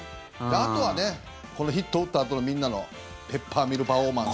あとはヒットを打ったあとのみんなのペッパーミル・パフォーマンス。